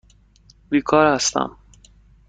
بیکار هستم.